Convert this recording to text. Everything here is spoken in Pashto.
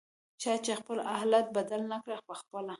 چا چې خپل حالت بدل نکړ پخپله